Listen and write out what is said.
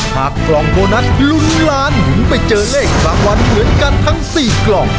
กล่องโบนัสลุ้นล้านหมุนไปเจอเลขรางวัลเหมือนกันทั้ง๔กล่อง